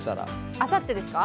あさってですか？